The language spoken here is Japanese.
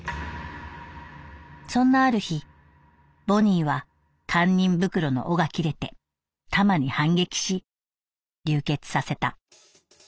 「そんなある日ボニーは堪忍袋の緒が切れてタマに反撃し流血させた。